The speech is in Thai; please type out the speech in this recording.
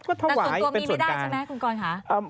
ก็ถวายเป็นส่วนกลางแต่ส่วนตัวมีไม่ได้ใช่ไหมคุณกรค่ะ